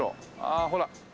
ああほら。